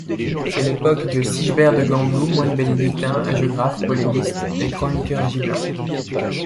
C'est l'époque de Sigebert de Gembloux, moine bénédictin, hagiographe, polémiste et chroniqueur gibelin.